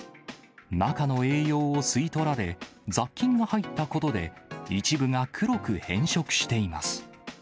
中の栄養を吸い取られ、雑菌が入ったことで、一部が黒く変色しています。